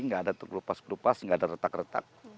gak ada kelupas kelupas gak ada retak retak